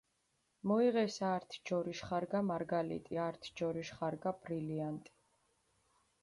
მოიღეს ართი ჯორიშ ხარგა მარგალიტი, ართი ჯორიშ ხარგა ბრილიანტი.